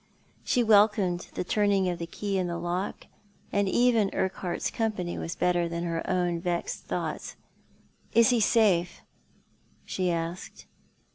She welcomed the turning of the key in the lock, and even Urquhart's company was better than her own vexed thoughts. " Is he safe ?" she asked.